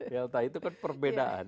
delta itu kan perbedaan